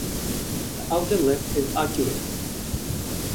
The outer lip is arcuate.